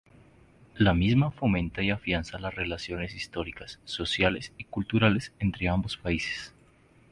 La misma fomenta y afianza las relaciones históricas, sociales y culturales entre ambos países.